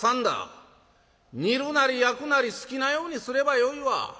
煮るなり焼くなり好きなようにすればよいわ」。